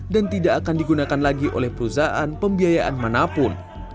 dan tidak akan digunakan lagi oleh perusahaan pembiayaan manapun